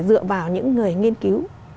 dựa vào những người nghiên cứu